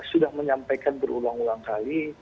sudah menyampaikan berulang ulang kali